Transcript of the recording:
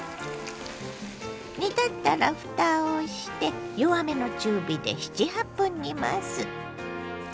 煮立ったらふたをして弱めの中火で７８分煮ます。